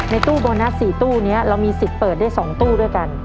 ตู้โบนัส๔ตู้นี้เรามีสิทธิ์เปิดได้๒ตู้ด้วยกัน